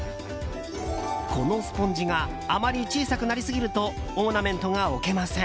このスポンジがあまり小さくなりすぎるとオーナメントが置けません。